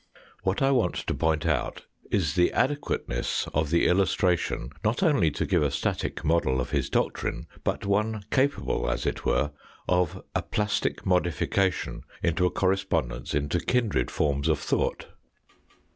What I want to point out is the adequateness of the illustration, not only to give a static model of his doctrine, but one capable as it were, of a plastic modification into a correspondence into kindred forms of thought.